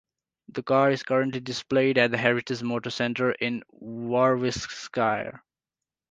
The car is currently displayed at the Heritage Motor Centre in Warwickshire.